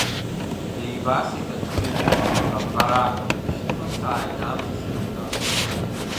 Еивасит аҽыҩқәа аԥҟараҳәа, ишьҭхысааит амца сыркны.